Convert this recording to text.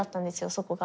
そこが。